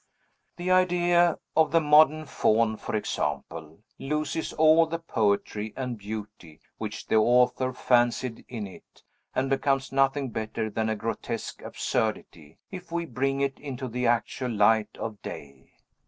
The idea of the modern Faun, for example, loses all the poetry and beauty which the Author fancied in it, and becomes nothing better than a grotesque absurdity, if we bring it into the actual light of day.